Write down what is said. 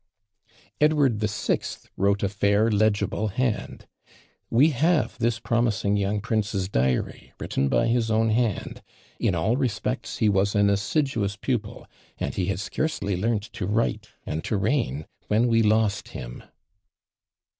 "Edward the Sixth wrote a fair legible hand." We have this promising young prince's diary, written by his own hand; in all respects he was an assiduous pupil, and he had scarcely learnt to write and to reign when we lost him.